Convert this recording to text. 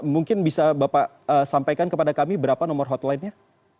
mungkin bisa bapak sampaikan kepada kami berapa nomor hotlinenya